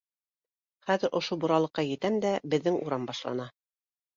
Хәҙер ошо боралыҡҡа етәм дә, беҙҙең урам башлана.